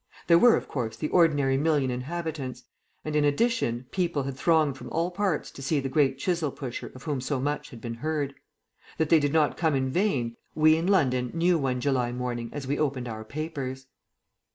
There were, of course, the ordinary million inhabitants; and, in addition, people had thronged from all parts to see the great Chisel pusher of whom so much had been heard. That they did not come in vain, we in London knew one July morning as we opened our papers.